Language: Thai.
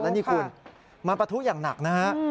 แล้วนี่คุณมาปะทุอย่างหนักนะฮะ